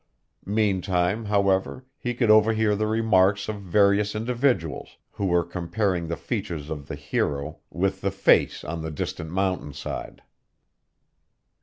Meantime, however, he could overhear the remarks of various individuals, who were comparing the features of the hero with the face on the distant mountainside.